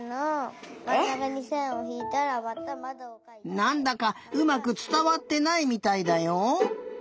なんだかうまくつたわってないみたいだよ。